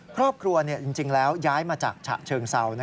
ครอบครัวจริงแล้วย้ายมาจากฉะเชิงเซา